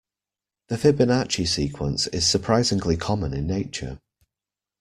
The Fibonacci sequence is surprisingly common in nature.